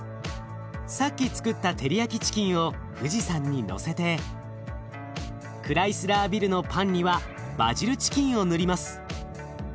さっきつくったテリヤキチキンを富士山にのせてクライスラービルのパンにはバジルチキンを塗ります。